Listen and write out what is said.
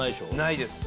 ないです